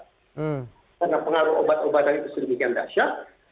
karena pengaruh obat obatan itu sedemikian dahsyat